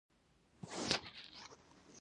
ایا حوصله لرئ؟